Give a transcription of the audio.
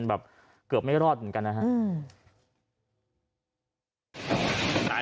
แบบเกือบไม่รอดเหมือนกันนะครับ